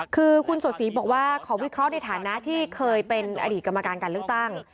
คือคุณสดศรีบอกว่าขอวิเคราะห์ในฐานะที่เคยเป็นอดีตกรรมการการเลือกตั้ง